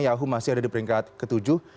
yahoo masih ada di peringkat ketujuh